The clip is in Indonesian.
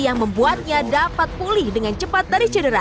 yang membuatnya dapat pulih dengan cepat dari cedera